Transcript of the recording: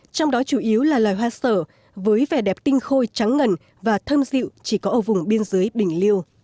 trong đó chủ yếu là loài hoa sở với vẻ đẹp tinh khôi trắng ngần và thơm dịu chỉ có ở vùng biên giới bình liêu